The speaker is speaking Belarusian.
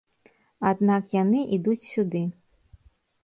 Аднак яны ідуць сюды.